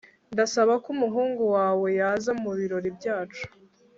Ndasaba ko umuhungu wawe yaza mubirori byacu